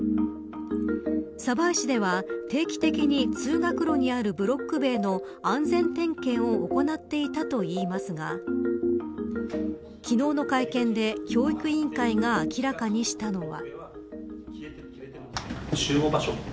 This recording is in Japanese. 鯖江市では定期的に通学路にあるブロック塀の安全点検を行っていたといいますが昨日の会見で教育委員会が明らかにしたのは。